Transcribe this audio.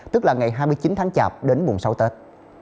tức là ngày hai mươi chín tháng chạp đến mùng sáu tết